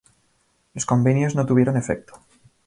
Los convenios no tuvieron efecto.